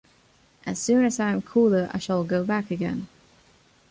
As soon as I am cooler I shall go back again.